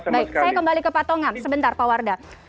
baik saya kembali ke pak tongam sebentar pak wardah